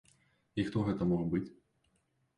І хто гэта мог быць?